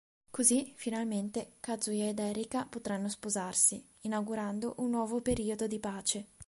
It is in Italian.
Così, finalmente Kazuya ed Erika potranno sposarsi, inaugurando un nuovo periodo di pace.